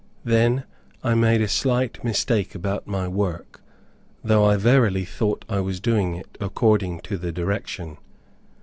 Then, I made a slight mistake about my work, though I verily thought I was doing it according to the direction.